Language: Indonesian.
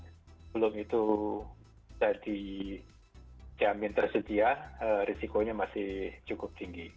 kalau itu belum itu sudah dijamin tersetia risikonya masih cukup tinggi